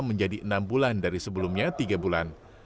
menjadi enam bulan dari sebelumnya tiga bulan